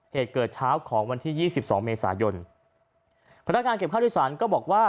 เหตุเกิดเช้าของวันที่๒๒เมษายนพนักงานเก็บข้าวโดยสารก็บอกว่า